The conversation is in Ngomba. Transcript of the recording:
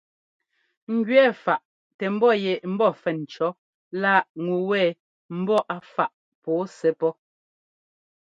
Ŋ gẅɛɛ faꞌ tɛ ḿbɔ́ yɛ ḿbɔ́ fɛn cɔ̌ lá ŋu wɛ ḿbɔ́ a faꞌ pɔɔ sɛ́ pɔ́.